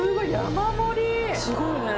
すごい。